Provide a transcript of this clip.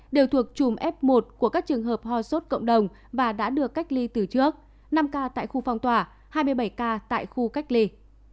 đều thuộc chùm f một của các trường hợp ho sốt cộng đồng và đã được cách ly từ trước năm ca tại khu phong tỏa hai mươi bảy ca tại khu cách ly